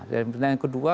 dan pertanyaan kedua